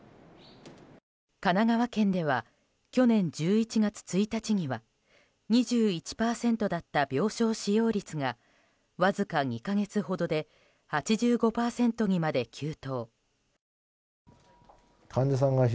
神奈川県では去年１１月１日には２１％だった病床使用率がわずか２か月ほどで８５％にまで急騰。